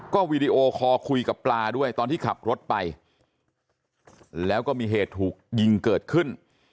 ก็วีดีโอคอลคุยกับปลาด้วยตอนที่ขับรถไปแล้วก็มีเหตุถูกยิงเกิดขึ้น